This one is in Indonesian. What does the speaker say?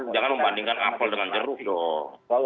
jangan membandingkan apel dengan jeruk dong